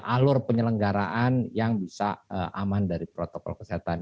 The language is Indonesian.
alur penyelenggaraan yang bisa aman dari protokol kesehatan